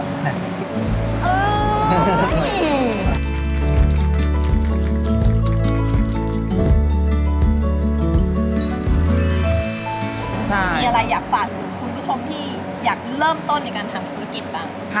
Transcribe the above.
มีอะไรอยากฝากถึงคุณผู้ชมที่อยากเริ่มต้นในการทำธุรกิจบ้าง